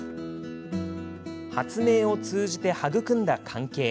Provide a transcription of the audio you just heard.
発明を通じて育んだ関係。